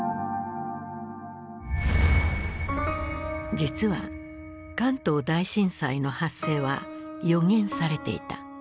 実は関東大震災の発生は予言されていた。